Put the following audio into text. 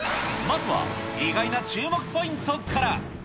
まずは、意外な注目ポイントから。